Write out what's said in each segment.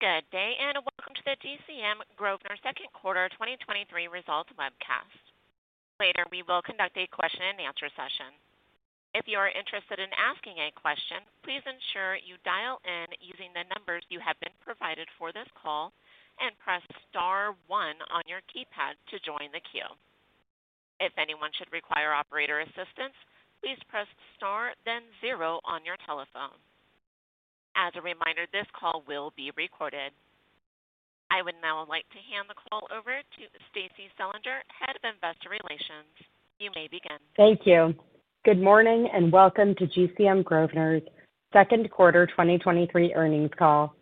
Good day, and welcome to the GCM Grosvenor second quarter 2023 results webcast. Later, we will conduct a question and answer session. If you are interested in asking a question, please ensure you dial in using the numbers you have been provided for this call and press star one on your keypad to join the queue. If anyone should require operator assistance, please press star then zero on your telephone. As a reminder, this call will be recorded. I would now like to hand the call over to Stacie Selinger, Head of Investor Relations. You may begin. Thank you. Good morning, welcome to GCM Grosvenor's second quarter 2023 earnings call.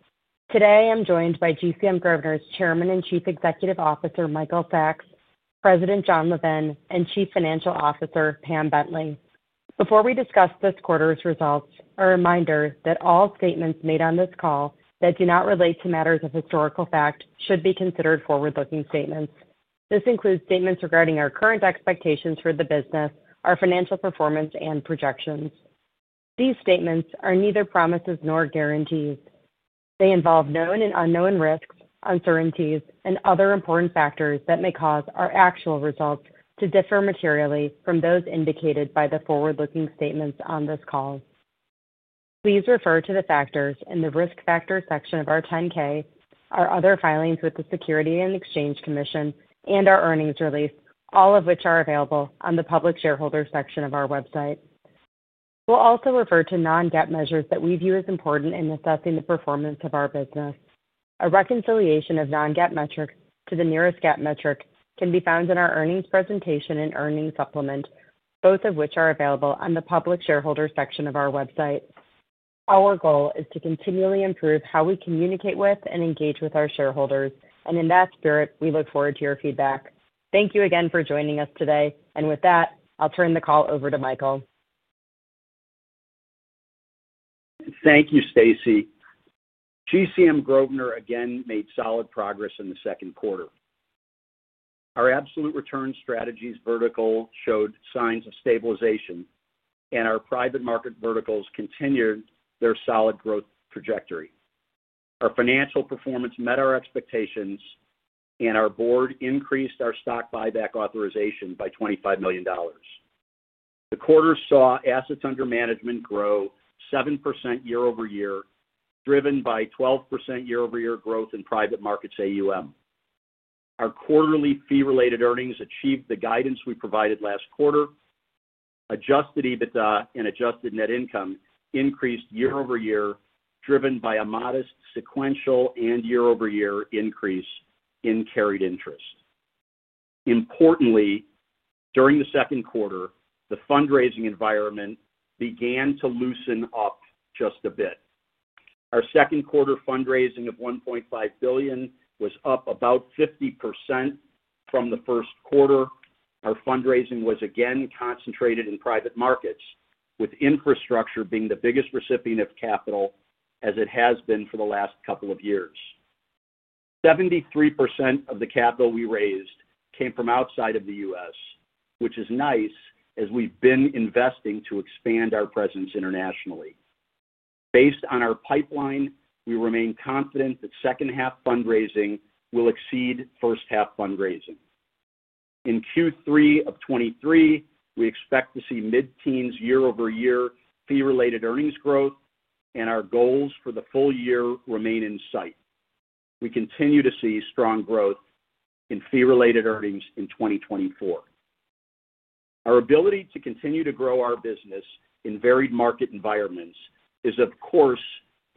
Today, I am joined by GCM Grosvenor's Chairman and Chief Executive Officer, Michael Sacks, President Jon Levin, and Chief Financial Officer Pamela Bentley. Before we discuss this quarter's results, a reminder that all statements made on this call that do not relate to matters of historical fact should be considered forward-looking statements. This includes statements regarding our current expectations for the business, our financial performance, and projections. These statements are neither promises nor guarantees. They involve known and unknown risks, uncertainties, and other important factors that may cause our actual results to differ materially from those indicated by the forward-looking statements on this call. Please refer to the factors in the Risk Factors section of our 10-K, our other filings with the Securities and Exchange Commission, and our earnings release, all of which are available on the Public Shareholders section of our website. We'll also refer to non-GAAP measures that we view as important in assessing the performance of our business. A reconciliation of non-GAAP metrics to the nearest GAAP metric can be found in our earnings presentation and earnings supplement, both of which are available on the Public Shareholders section of our website. Our goal is to continually improve how we communicate with and engage with our shareholders, and in that spirit, we look forward to your feedback. Thank you again for joining us today. With that, I'll turn the call over to Michael Sacks. Thank you, Stacie. GCM Grosvenor again made solid progress in the second quarter. Our absolute return strategies vertical showed signs of stabilization, and our private market verticals continued their solid growth trajectory. Our financial performance met our expectations, and our board increased our stock buyback authorization by $25 million. The quarter saw assets under management grow 7% year-over-year, driven by 12% year-over-year growth in private markets AUM. Our quarterly fee-related earnings achieved the guidance we provided last quarter. Adjusted EBITDA and adjusted net income increased year-over-year, driven by a modest, sequential, and year-over-year increase in carried interest. Importantly, during the second quarter, the fundraising environment began to loosen up just a bit. Our second quarter fundraising of $1.5 billion was up about 50% from the first quarter. Our fundraising was again concentrated in private markets, with infrastructure being the biggest recipient of capital, as it has been for the last couple of years. 73% of the capital we raised came from outside of the U.S., which is nice, as we've been investing to expand our presence internationally. Based on our pipeline, we remain confident that second half fundraising will exceed first half fundraising. In Q3 of 2023, we expect to see mid-teens year-over-year fee-related earnings growth, and our goals for the full year remain in sight. We continue to see strong growth in fee-related earnings in 2024. Our ability to continue to grow our business in varied market environments is, of course,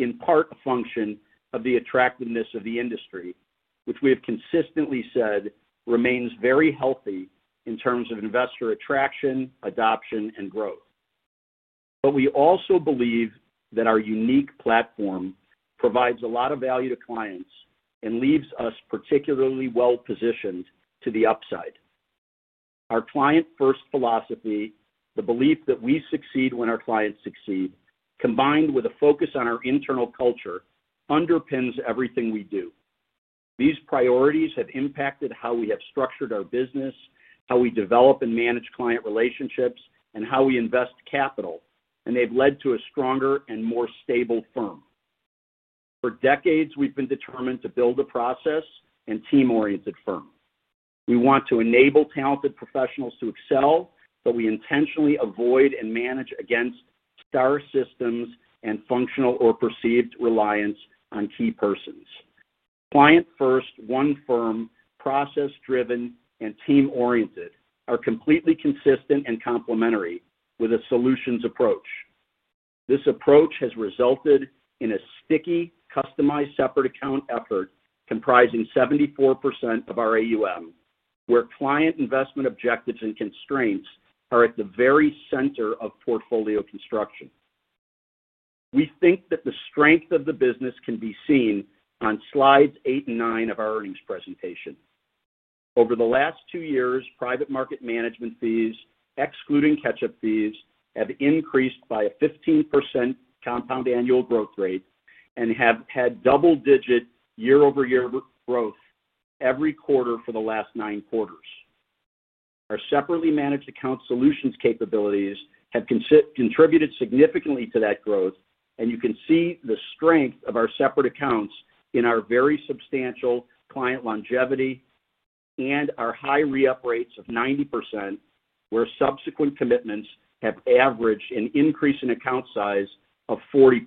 in part a function of the attractiveness of the industry, which we have consistently said remains very healthy in terms of investor attraction, adoption, and growth. We also believe that our unique platform provides a lot of value to clients and leaves us particularly well positioned to the upside. Our client-first philosophy, the belief that we succeed when our clients succeed, combined with a focus on our internal culture, underpins everything we do. These priorities have impacted how we have structured our business, how we develop and manage client relationships, and how we invest capital, and they've led to a stronger and more stable firm. For decades, we've been determined to build a process and team-oriented firm. We want to enable talented professionals to excel, but we intentionally avoid and manage against star systems and functional or perceived reliance on key persons. Client first, one firm, process-driven, and team-oriented are completely consistent and complementary with a solutions approach. This approach has resulted in a sticky, customized, separate account effort comprising 74% of our AUM, where client investment objectives and constraints are at the very center of portfolio construction. We think that the strength of the business can be seen on slides eight and nine of our earnings presentation. Over the last two years, private market management fees, excluding catch-up fees, have increased by a 15% compound annual growth rate and have had double-digit year-over-year growth every quarter for the last nine quarters. Our separately managed account solutions capabilities have contributed significantly to that growth, and you can see the strength of our separate accounts in our very substantial client longevity and our high re-up rates of 90%, where subsequent commitments have averaged an increase in account size of 40%.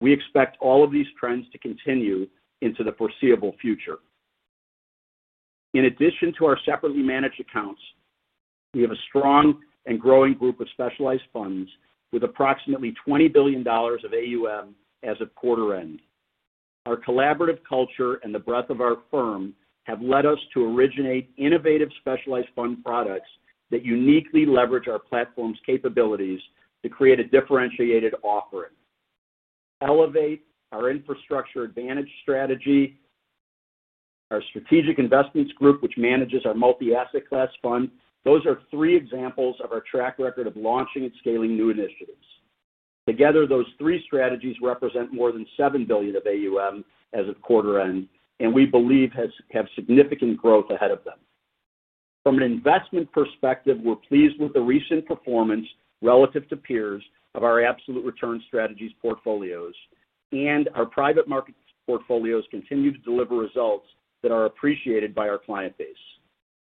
We expect all of these trends to continue into the foreseeable future. In addition to our separately managed accounts, we have a strong and growing group of specialized funds with approximately $20 billion of AUM as of quarter end. Our collaborative culture and the breadth of our firm have led us to originate innovative specialized fund products that uniquely leverage our platform's capabilities to create a differentiated offering. Elevate, our Infrastructure Advantage Strategy, our Strategic Investments Group, which manages our multi-asset class fund. Those are three examples of our track record of launching and scaling new initiatives. Together, those three strategies represent more than $7 billion of AUM as of quarter end, and we believe have significant growth ahead of them. From an investment perspective, we're pleased with the recent performance relative to peers of our absolute return strategies portfolios, and our private market portfolios continue to deliver results that are appreciated by our client base.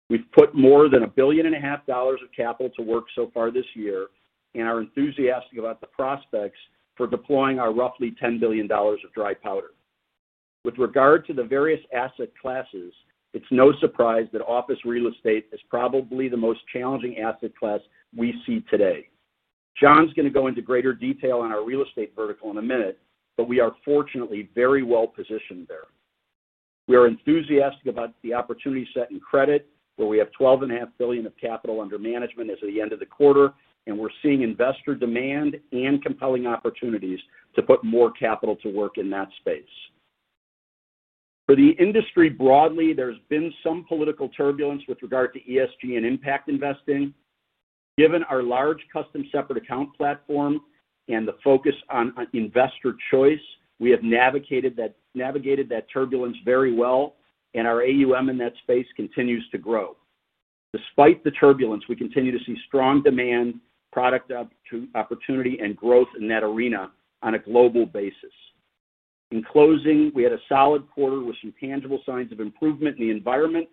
We've put more than $1.5 billion of capital to work so far this year, and are enthusiastic about the prospects for deploying our roughly $10 billion of dry powder. With regard to the various asset classes, it's no surprise that office real estate is probably the most challenging asset class we see today. Jon's going to go into greater detail on our real estate vertical in a minute, We are fortunately very well positioned there. We are enthusiastic about the opportunity set in credit, where we have $12.5 billion of capital under management as of the end of the quarter, We're seeing investor demand and compelling opportunities to put more capital to work in that space. For the industry broadly, there's been some political turbulence with regard to ESG and impact investing. Given our large custom separate account platform and the focus on investor choice, we have navigated that turbulence very well, and our AUM in that space continues to grow. Despite the turbulence, we continue to see strong demand, product up to opportunity, and growth in that arena on a global basis. In closing, we had a solid quarter with some tangible signs of improvement in the environment.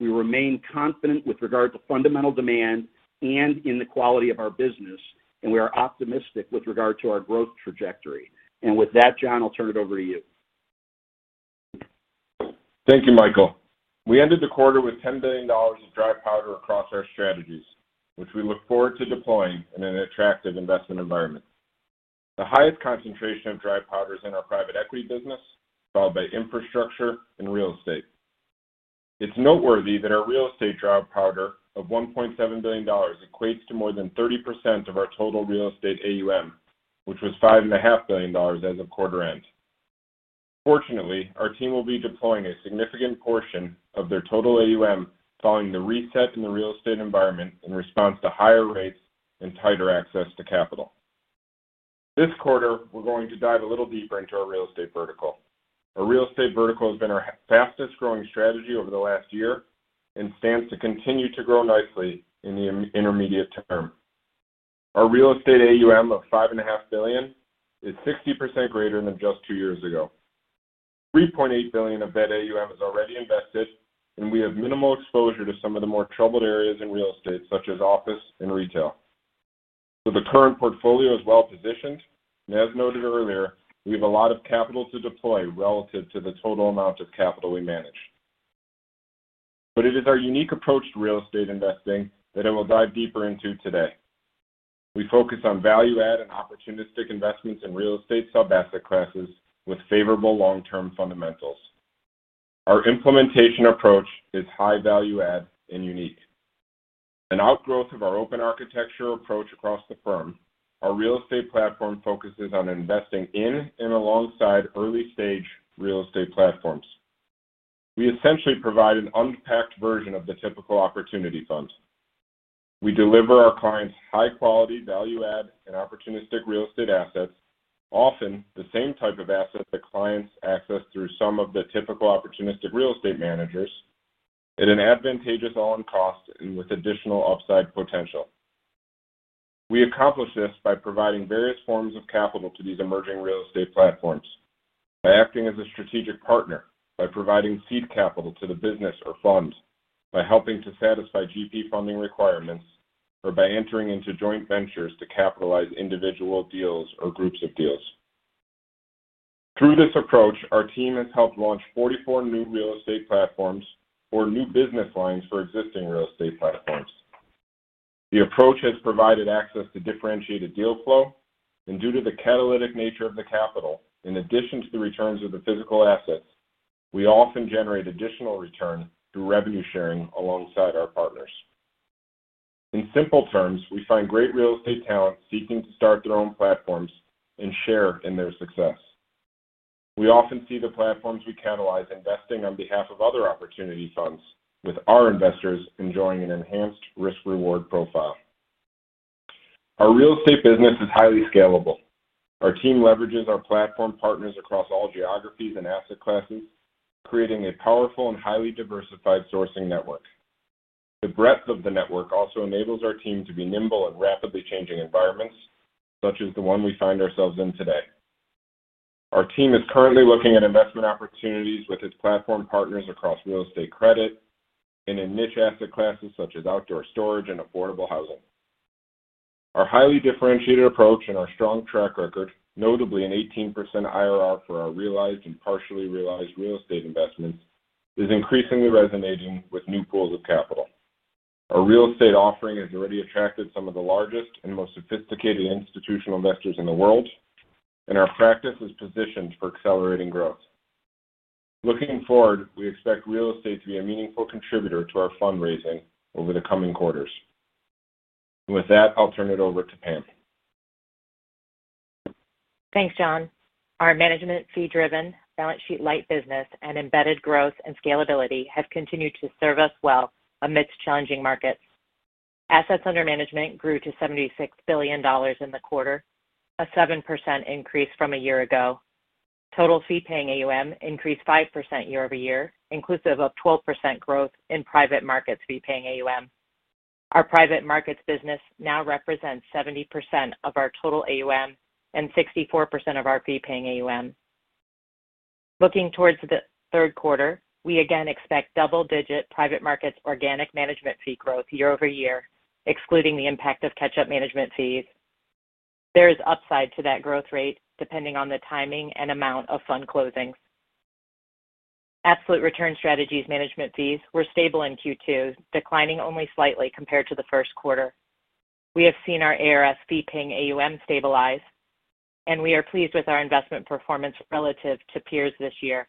We remain confident with regard to fundamental demand and in the quality of our business, and we are optimistic with regard to our growth trajectory. With that, Jon, I'll turn it over to you. Thank you, Michael. We ended the quarter with $10 billion of dry powder across our strategies, which we look forward to deploying in an attractive investment environment. The highest concentration of dry powder is in our private equity business, followed by infrastructure and real estate. It's noteworthy that our real estate dry powder of $1.7 billion equates to more than 30% of our total real estate AUM, which was $5.5 billion as of quarter end. Fortunately, our team will be deploying a significant portion of their total AUM following the reset in the real estate environment in response to higher rates and tighter access to capital. This quarter, we're going to dive a little deeper into our real estate vertical. Our real estate vertical has been our fastest-growing strategy over the last year and stands to continue to grow nicely in the inter-intermediate term. Our real estate AUM of $5.5 billion is 60% greater than just two years ago. $3.8 billion of that AUM is already invested, and we have minimal exposure to some of the more troubled areas in real estate, such as office and retail. The current portfolio is well-positioned, and as noted earlier, we have a lot of capital to deploy relative to the total amount of capital we manage. It is our unique approach to real estate investing that I will dive deeper into today. We focus on value-add and opportunistic investments in real estate sub-asset classes with favorable long-term fundamentals. Our implementation approach is high value-add and unique. An outgrowth of our open architecture approach across the firm, our real estate platform focuses on investing in and alongside early-stage real estate platforms. We essentially provide an unpacked version of the typical opportunity fund. We deliver our clients high-quality, value-add, and opportunistic real estate assets, often the same type of assets that clients access through some of the typical opportunistic real estate managers, at an advantageous all-in cost and with additional upside potential. We accomplish this by providing various forms of capital to these emerging real estate platforms, by acting as a strategic partner, by providing seed capital to the business or fund, by helping to satisfy GP funding requirements, or by entering into joint ventures to capitalize individual deals or groups of deals. Through this approach, our team has helped launch 44 new real estate platforms or new business lines for existing real estate platforms. The approach has provided access to differentiated deal flow, and due to the catalytic nature of the capital, in addition to the returns of the physical assets, we often generate additional return through revenue sharing alongside our partners. In simple terms, we find great real estate talent seeking to start their own platforms and share in their success. We often see the platforms we catalyze investing on behalf of other opportunity funds, with our investors enjoying an enhanced risk-reward profile. Our real estate business is highly scalable. Our team leverages our platform partners across all geographies and asset classes, creating a powerful and highly diversified sourcing network. The breadth of the network also enables our team to be nimble in rapidly changing environments, such as the one we find ourselves in today. Our team is currently looking at investment opportunities with its platform partners across real estate credit and in niche asset classes, such as outdoor storage and affordable housing. Our highly differentiated approach and our strong track record, notably an 18% IRR for our realized and partially realized real estate investments, is increasingly resonating with new pools of capital. Our real estate offering has already attracted some of the largest and most sophisticated institutional investors in the world, and our practice is positioned for accelerating growth. Looking forward, we expect real estate to be a meaningful contributor to our fundraising over the coming quarters. With that, I'll turn it over to Pam. Thanks, Jon. Our management fee-driven, balance sheet light business, and embedded growth and scalability have continued to serve us well amidst challenging markets. Assets under management grew to $76 billion in the quarter, a 7% increase from a year ago. Total fee-paying AUM increased 5% year-over-year, inclusive of 12% growth in private markets fee-paying AUM. Our private markets business now represents 70% of our total AUM and 64% of our fee-paying AUM. Looking towards the third quarter, we again expect double-digit private markets organic management fee growth year-over-year, excluding the impact of catch-up management fees. There is upside to that growth rate, depending on the timing and amount of fund closings. Absolute return strategies management fees were stable in Q2, declining only slightly compared to the first quarter. We have seen our ARS fee-paying AUM stabilize. We are pleased with our investment performance relative to peers this year.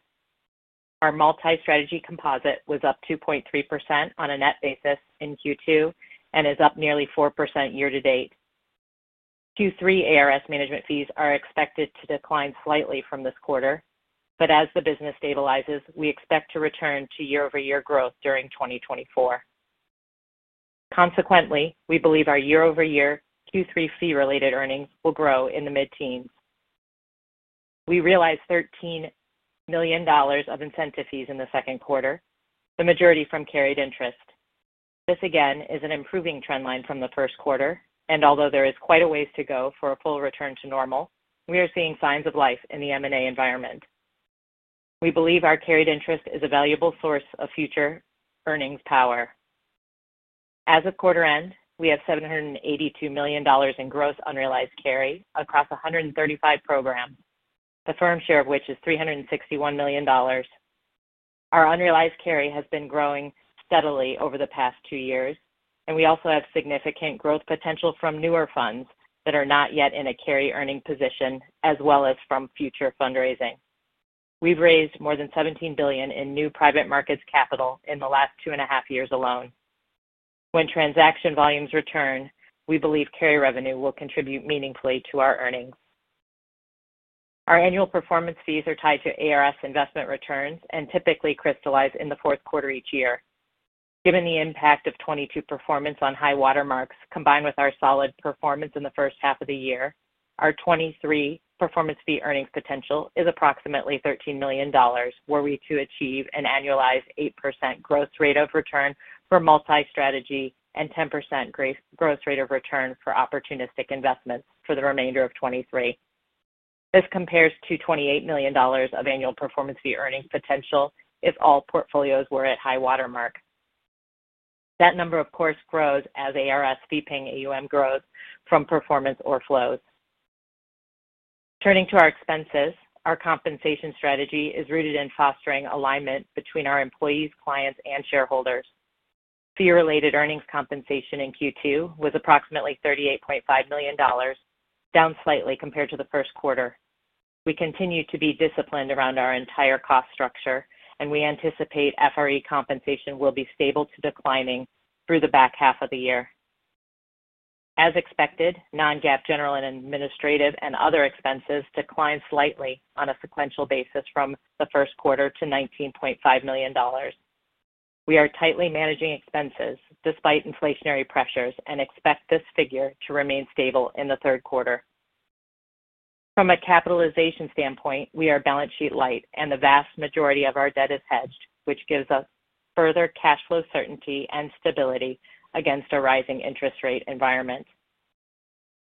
Our Multi-Strategy Composite was up 2.3% on a net basis in Q2 and is up nearly 4% year to date. Q3 ARS management fees are expected to decline slightly from this quarter. As the business stabilizes, we expect to return to year-over-year growth during 2024. Consequently, we believe our year-over-year Q3 fee-related earnings will grow in the mid-teens. We realized $13 million of incentive fees in the second quarter, the majority from carried interest. This again, is an improving trend line from the first quarter. Although there is quite a ways to go for a full return to normal, we are seeing signs of life in the M&A environment. We believe our carried interest is a valuable source of future earnings power. As of quarter end, we have $782 million in gross unrealized carry across 135 programs, the firm share of which is $361 million. Our unrealized carry has been growing steadily over the past two years, and we also have significant growth potential from newer funds that are not yet in a carry earning position, as well as from future fundraising. We've raised more than $17 billion in new private markets capital in the last 2.5 years alone. When transaction volumes return, we believe carry revenue will contribute meaningfully to our earnings. Our annual performance fees are tied to ARS investment returns and typically crystallize in the fourth quarter each year. Given the impact of 2022 performance on high watermarks, combined with our solid performance in the first half of the year, our 2023 performance fee earnings potential is approximately $13 million, were we to achieve an annualized 8% growth rate of return for Multi-Strategy and 10% growth rate of return for opportunistic investments for the remainder of 2023. This compares to $28 million of annual performance fee earnings potential if all portfolios were at high watermark. That number, of course, grows as ARS fee-paying AUM grows from performance or flows. Turning to our expenses, our compensation strategy is rooted in fostering alignment between our employees, clients, and shareholders. Fee-related earnings compensation in Q2 was approximately $38.5 million, down slightly compared to the first quarter. We continue to be disciplined around our entire cost structure, and we anticipate FRE compensation will be stable to declining through the back half of the year. As expected, non-GAAP, general and administrative and other expenses declined slightly on a sequential basis from the first quarter to $19.5 million. We are tightly managing expenses despite inflationary pressures and expect this figure to remain stable in the third quarter. From a capitalization standpoint, we are balance sheet light, and the vast majority of our debt is hedged, which gives us further cash flow certainty and stability against a rising interest rate environment.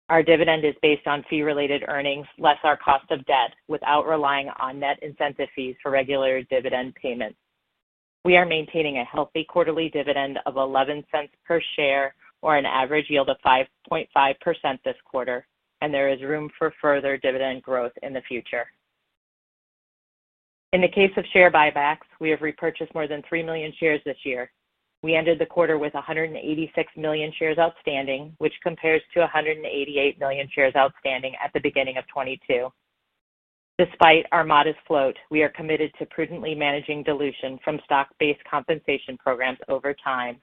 Our dividend is based on fee-related earnings, less our cost of debt, without relying on net incentive fees for regular dividend payments. We are maintaining a healthy quarterly dividend of $0.11 per share or an average yield of 5.5% this quarter. There is room for further dividend growth in the future. In the case of share buybacks, we have repurchased more than $3 million shares this year. We ended the quarter with $186 million shares outstanding, which compares to $188 million shares outstanding at the beginning of 2022. Despite our modest float, we are committed to prudently managing dilution from stock-based compensation programs over time.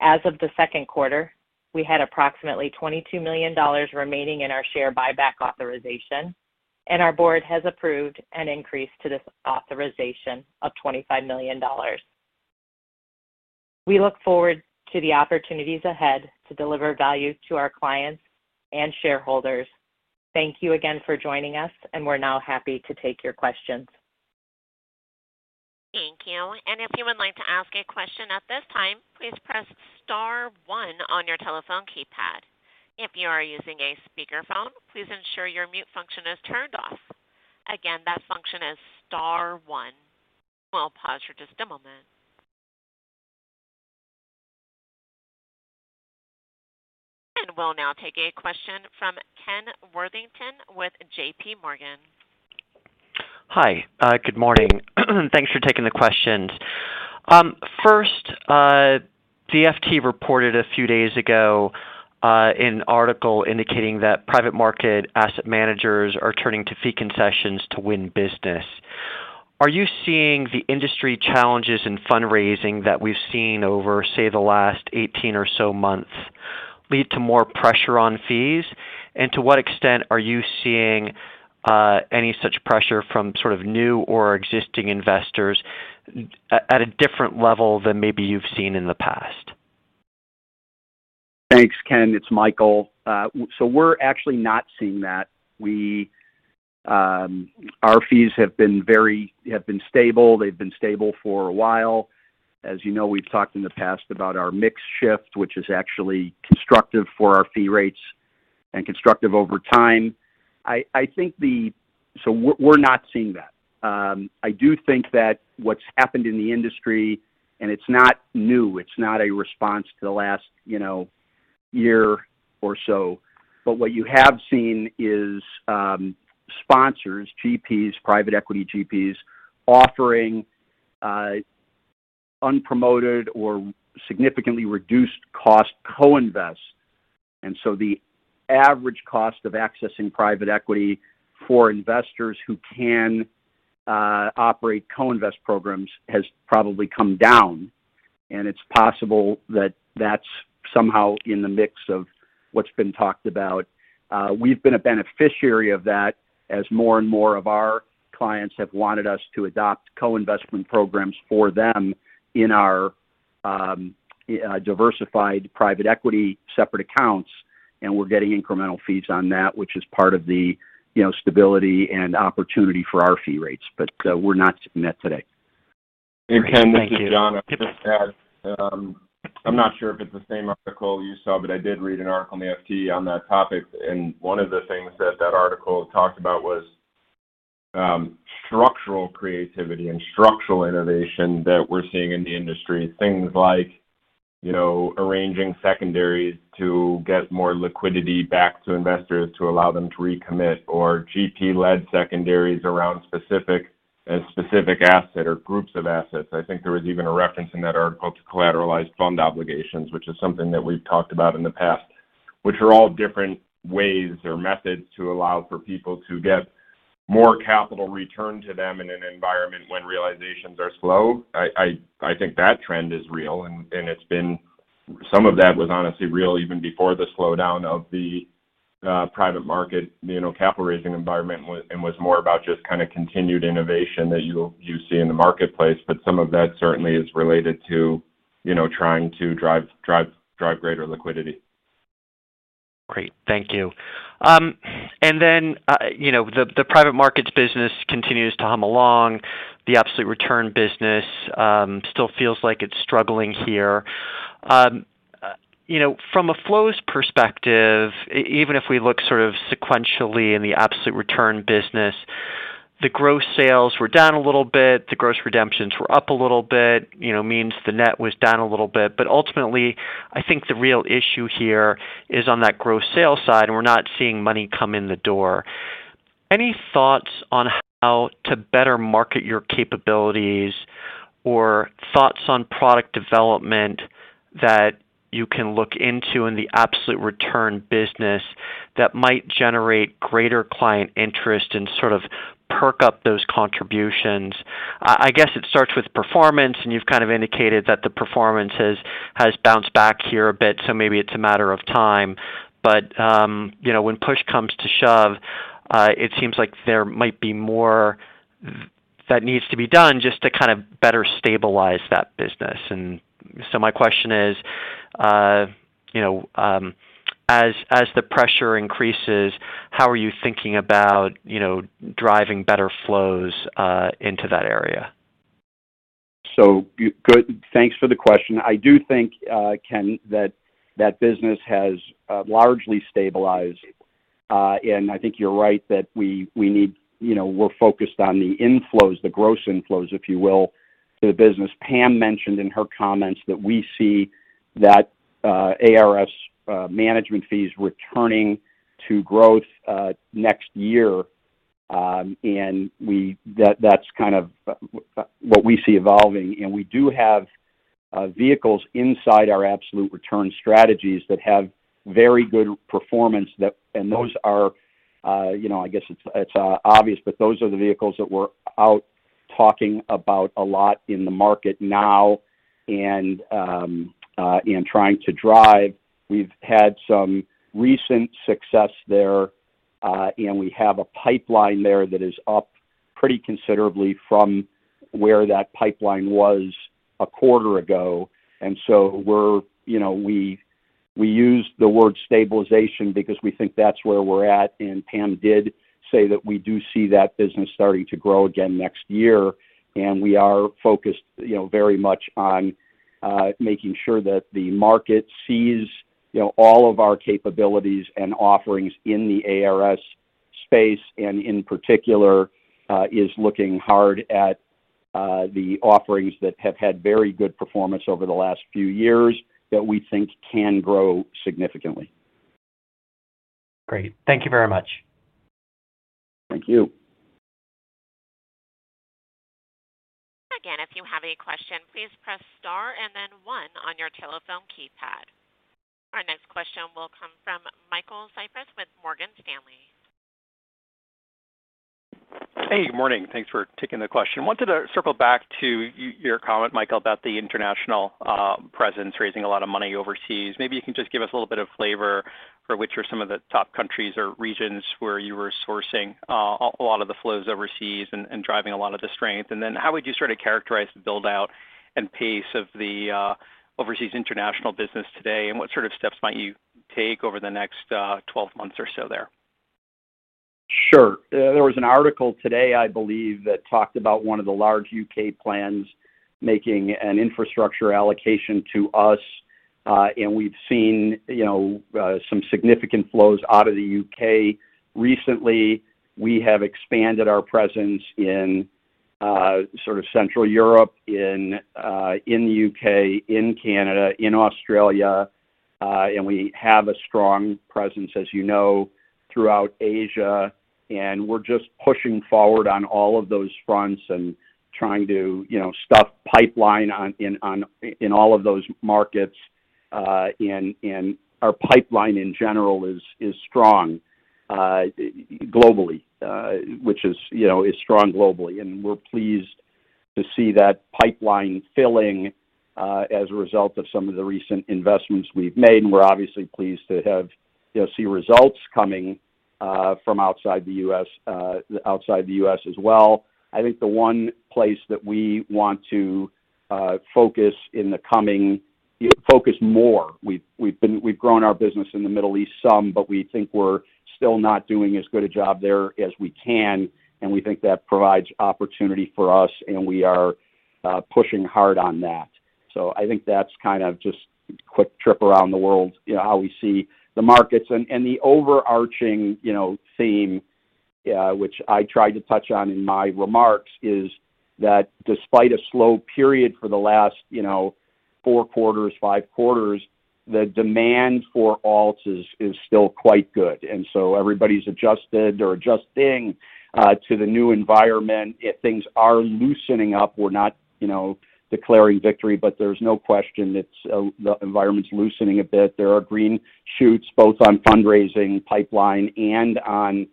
As of the second quarter, we had approximately $22 million remaining in our share buyback authorization. Our board has approved an increase to this authorization of $25 million. We look forward to the opportunities ahead to deliver value to our clients and shareholders. Thank you again for joining us, and we're now happy to take your questions. Thank you. If you would like to ask a question at this time, please press star one on your telephone keypad. If you are using a speakerphone, please ensure your mute function is turned off. Again, that function is star one. I'll pause for just a moment. We'll now take a question from Ken Worthington with JPMorgan. Hi, good morning. Thanks for taking the questions. First, FT reported a few days ago, an article indicating that private market asset managers are turning to fee concessions to win business. Are you seeing the industry challenges in fundraising that we've seen over, say, the last 18 or so months, lead to more pressure on fees? To what extent are you seeing any such pressure from sort of new or existing investors at, at a different level than maybe you've seen in the past? Thanks, Ken. It's Michael. We're actually not seeing that. We, our fees have been stable. They've been stable for a while. As you know, we've talked in the past about our mix shift, which is actually constructive for our fee rates and constructive over time. We're, we're not seeing that. I do think that what's happened in the industry, and it's not new, it's not a response to the last, you know, year or so, but what you have seen is, sponsors, GPs, private equity GPs, offering, unpromoted or significantly reduced cost co-invest. The average cost of accessing private equity for investors who can, operate co-invest programs has probably come down, and it's possible that that's somehow in the mix of what's been talked about. We've been a beneficiary of that, as more and more of our clients have wanted us to adopt co-investment programs for them in our diversified private equity separate accounts, and we're getting incremental fees on that, which is part of the, you know, stability and opportunity for our fee rates, but we're not seeing that today. Thank you. Ken, this is Jon. I'm not sure if it's the same article you saw, but I did read an article in the FT on that topic, and one of the things that that article talked about was structural creativity and structural innovation that we're seeing in the industry. Things like, you know, arranging secondaries to get more liquidity back to investors to allow them to recommit, or GP-led secondaries around specific and specific asset or groups of assets. I think there was even a reference in that article to collateralized fund obligations, which is something that we've talked about in the past, which are all different ways or methods to allow for people to get more capital returned to them in an environment when realizations are slow. I, I, I think that trend is real, and, and it's been... Some of that was honestly real even before the slowdown of the private market, you know, capital raising environment, and was more about just kinda continued innovation that you, you see in the marketplace. Some of that certainly is related to, you know, trying to drive, drive, drive greater liquidity. Great. Thank you. You know, the private markets business continues to hum along. The absolute return business still feels like it's struggling here. You know, from a flows perspective, even if we look sort of sequentially in the absolute return business, the gross sales were down a little bit, the gross redemptions were up a little bit, you know, means the net was down a little bit. Ultimately, I think the real issue here is on that gross sales side, we're not seeing money come in the door. Any thoughts on how to better market your capabilities or thoughts on product development that you can look into in the absolute return business that might generate greater client interest and sort of perk up those contributions? I, I guess it starts with performance, and you've kind of indicated that the performance has, has bounced back here a bit, so maybe it's a matter of time. When push comes to shove, you know, it seems like there might be more that needs to be done just to kind of better stabilize that business. So my question is, you know, as, as the pressure increases, how are you thinking about, you know, driving better flows into that area? Thanks for the question. I do think, Ken, that that business has largely stabilized. I think you're right, that we, you know, we're focused on the inflows, the gross inflows, if you will, to the business. Pam mentioned in her comments that we see that ARS management fees returning to growth next year. That, that's kind of what we see evolving. We do have vehicles inside our absolute return strategies that have very good performance, those are, you know, I guess it's, it's obvious, but those are the vehicles that we're out talking about a lot in the market now and trying to drive. We've had some recent success there, and we have a pipeline there that is pretty considerably from where that pipeline was a quarter ago. So we're, you know, we, we use the word stabilization because we think that's where we're at. Pam did say that we do see that business starting to grow again next year, and we are focused, you know, very much on making sure that the market sees, you know, all of our capabilities and offerings in the ARS space, and in particular, is looking hard at the offerings that have had very good performance over the last few years that we think can grow significantly. Great. Thank you very much. Thank you. Again, if you have any question, please press Star and then one on your telephone keypad. Our next question will come from Michael Cyprys with Morgan Stanley. Hey, good morning. Thanks for taking the question. I wanted to circle back to your comment, Michael, about the international presence, raising a lot of money overseas. Maybe you can just give us a little bit of flavor for which are some of the top countries or regions where you were sourcing a lot of the flows overseas and driving a lot of the strength. How would you sort of characterize the build-out and pace of the overseas international business today, and what sort of steps might you take over the next 12 months or so there? Sure. There was an article today, I believe, that talked about one of the large U.K. plans making an infrastructure allocation to us. We've seen, you know, some significant flows out of the U.K. Recently, we have expanded our presence in, sort of central Europe, in, in the U.K., in Canada, in Australia, and we have a strong presence, as you know, throughout Asia. We're just pushing forward on all of those fronts and trying to, you know, stuff pipeline on in, on, in all of those markets. Our pipeline, in general, is, is strong, globally, which is, you know, is strong globally. We're pleased to see that pipeline filling, as a result of some of the recent investments we've made, and we're obviously pleased to have, you know, see results coming, from outside the U.S., outside the U.S. as well. I think the one place that we want to focus more. We've grown our business in the Middle East some, but we think we're still not doing as good a job there as we can, and we think that provides opportunity for us, and we are pushing hard on that. I think that's kind of just a quick trip around the world, you know, how we see the markets. The overarching, you know, theme, which I tried to touch on in my remarks, is that despite a slow period for the last, you know, four quarters, five quarters, the demand for alts is, is still quite good. Everybody's adjusted or adjusting to the new environment. If things are loosening up, we're not, you know, declaring victory, but there's no question it's, the environment's loosening a bit. There are green shoots, both on fundraising pipeline and on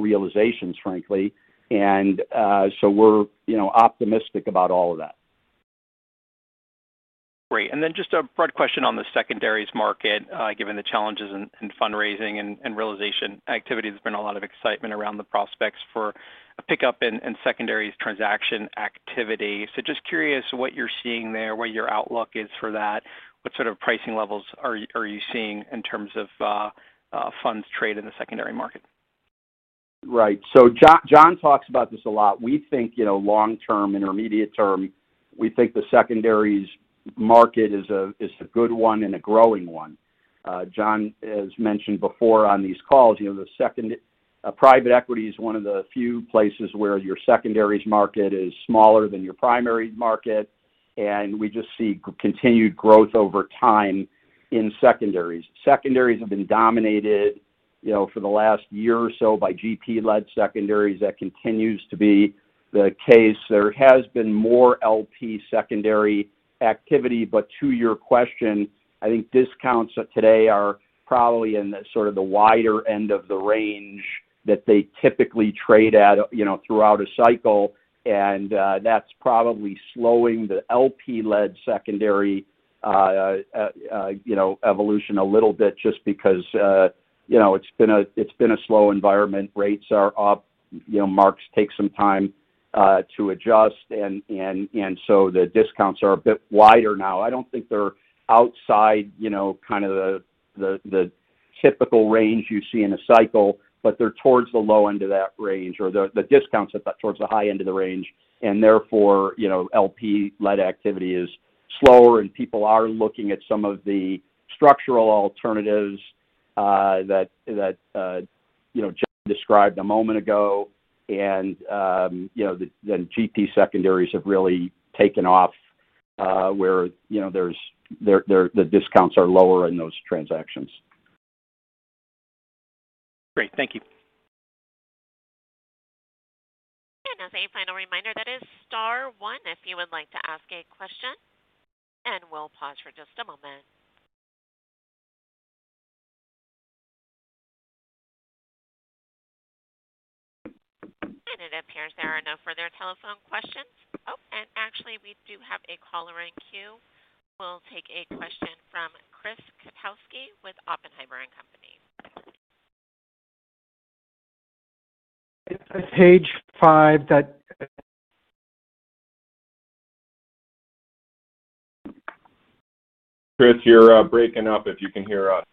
realizations, frankly. We're, you know, optimistic about all of that. Great. Then just a broad question on the secondaries market. Given the challenges in, in fundraising and, and realization activity, there's been a lot of excitement around the prospects for a pickup in, in secondaries transaction activity. So just curious what you're seeing there, what your outlook is for that? What sort of pricing levels are you, are you seeing in terms of, funds trade in the secondary market? Right. Jon talks about this a lot. We think, you know, long term, intermediate term, we think the secondaries market is a, is a good one and a growing one. Jon, as mentioned before on these calls, you know, the second private equity is one of the few places where your secondaries market is smaller than your primary market, and we just see continued growth over time in secondaries. Secondaries have been dominated, you know, for the last year or so by GP-led secondaries. That continues to be the case. There has been more LP secondary activity, but to your question, I think discounts today are probably in the sort of the wider end of the range that they typically trade at, you know, throughout a cycle. That's probably slowing the LP-led secondary, you know, evolution a little bit just because, you know, it's been a, it's been a slow environment. Rates are up. You know, marks take some time to adjust, and so the discounts are a bit wider now. I don't think they're outside, you know, kind of the, the, the typical range you see in a cycle, but they're towards the low end of that range, or the, the discounts are towards the high end of the range, and therefore, you know, LP-led activity is slower, and people are looking at some of the structural alternatives that, you know, Jon described a moment ago. You know, the GP secondaries have really taken off, where, you know, the discounts are lower in those transactions. Great. Thank you. As a final reminder, that is star 1 if you would like to ask a question, and we'll pause for just a moment. It appears there are no further telephone questions. Oh, actually, we do have a caller in queue. We'll take a question from Chris Kotowski with Oppenheimer and Company. Page five. Chris, you're breaking up if you can hear us.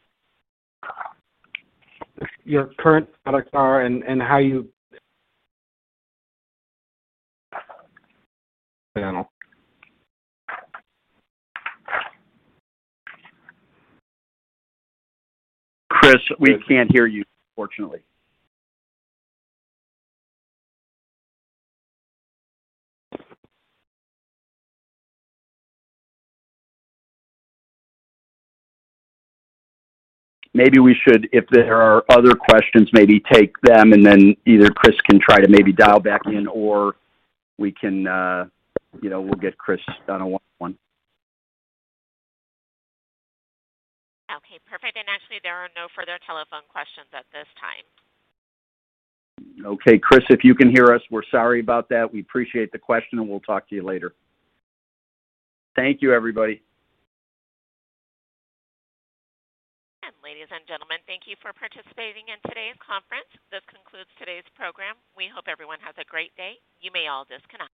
Your current products are and how you... Chris, we can't hear you, unfortunately. Maybe we should... If there are other questions, maybe take them, and then either Chris can try to maybe dial back in, or we can, you know, we'll get Chris on a one one. Okay, perfect. Actually, there are no further telephone questions at this time. Okay, Chris, if you can hear us, we're sorry about that. We appreciate the question, and we'll talk to you later. Thank you, everybody. Ladies and gentlemen, thank you for participating in today's conference. This concludes today's program. We hope everyone has a great day. You may all disconnect.